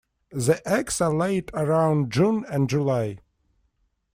The eggs are laid around June and July.